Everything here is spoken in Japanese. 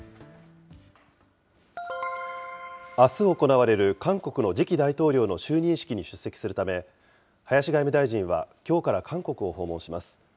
あす行われる、韓国の次期大統領の就任式に出席するため、林外務大臣はきょうから韓国を訪問します。